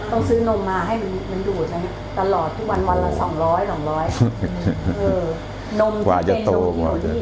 ต้องซื้อนมมาให้มันอยู่ตลอดทุกวันวันละ๒๐๐๒๐๐นมที่เต้นนมที่อยู่ที่นี่